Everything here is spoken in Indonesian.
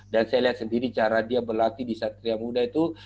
dan saya lihat sendiri cara dia berlatih di saat dia muda itu